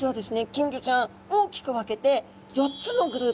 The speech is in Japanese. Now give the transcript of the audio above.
金魚ちゃん大きく分けて４つのグループがあるんですね。